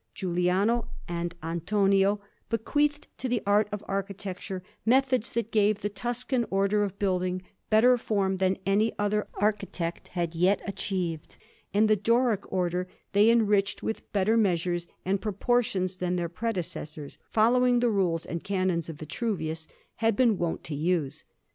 Giuliano and Antonio bequeathed to the art of architecture methods that gave the Tuscan Order of building better form than any other architect had yet achieved, and the Doric Order they enriched with better measures and proportions than their predecessors, following the rules and canons of Vitruvius, had been wont to use.